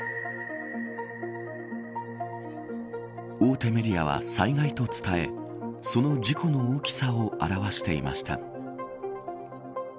大手メディアは災害と伝えその事故の大きさを表していました。